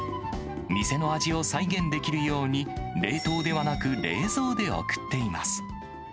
店の味を再現できるように冷凍ではなく、冷蔵で送っています。